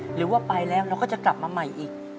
หรือว่าไปแล้วเราก็จะกลับมาใหม่อีก